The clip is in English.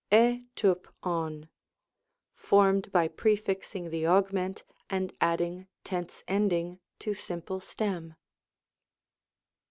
^ rvn ov^ formed by prefixing the aug ment and adding tense ending to sim pie stem.